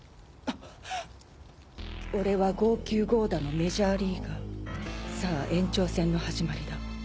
「俺は剛球豪打のメジャーリーガー。さあ延長戦の始まりだ。